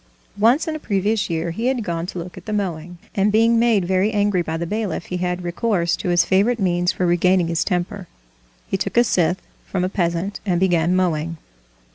Once in a previous year he had gone to look at the mowing, and being made very angry by the bailiff he had recourse to his favorite means for regaining his temper,—he took a scythe from a peasant and began mowing.